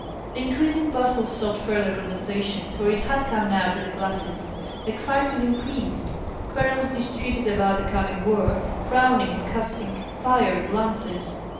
The increasing bustle stopped further conversation, for it had come now to the glasses. Excitement increased. Colonels disputed about the coming war, frowning and casting fiery glances.